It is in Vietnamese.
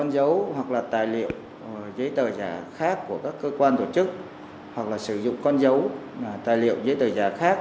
giấy tờ giả khác của các cơ quan tổ chức hoặc là sử dụng con dấu tài liệu giấy tờ giả khác